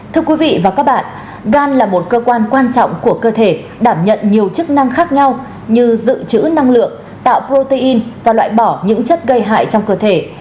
thưa quý vị và các bạn gan là một cơ quan quan trọng của cơ thể đảm nhận nhiều chức năng khác nhau như dự trữ năng lượng tạo protein và loại bỏ những chất gây hại trong cơ thể